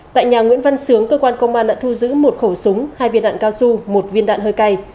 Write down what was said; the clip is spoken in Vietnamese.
tại nhà nguyễn văn sướng cơ quan công an đã thu giữ một khẩu súng hai viên đạn cao su một viên đạn hơi cay